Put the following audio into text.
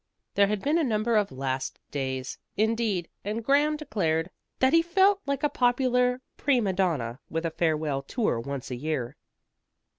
There had been a number of "last days," indeed, and Graham declared that he felt like a popular prima donna with a farewell tour once a year.